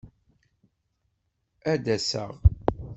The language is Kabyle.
Ad d-aseɣ.